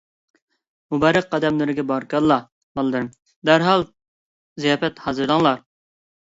مۇبارەك قەدەملىرىگە بارىكاللاھ، بالىلىرىم، دەرھال زىياپەت ھازىرلاڭلار!